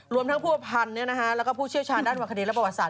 รวมทั้งผู้อภัณฑ์เนี่ยนะฮะและก็ผู้เชี่ยวชาติด้านวันคดีและประวัติศาสตร์